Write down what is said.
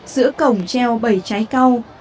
giữa cổng treo bảy trái câu